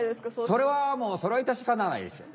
それはもういたしかたないですよ。